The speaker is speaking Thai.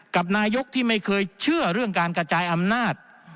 กับนายกที่ไม่เคยเชื่อเรื่องการกระจายอำนาจ